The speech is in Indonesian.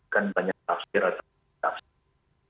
kan banyak penafsiran